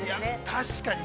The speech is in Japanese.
◆確かに。